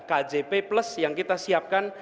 kjp plus yang kita siapkan